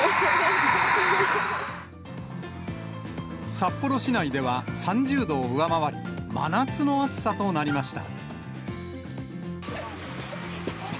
札幌市内では３０度を上回り、真夏の暑さとなりました。